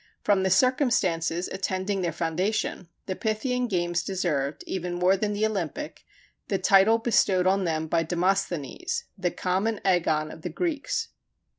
From the circumstances attending their foundation, the Pythian games deserved, even more than the Olympic, the title bestowed on them by Demosthenes "the common Agon of the Greeks."